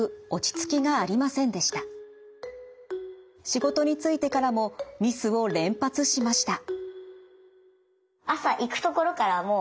仕事に就いてからもミスを連発しました。